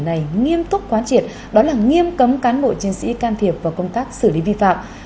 này nghiêm túc quán triệt đó là nghiêm cấm cán bộ chiến sĩ can thiệp vào công tác xử lý vi phạm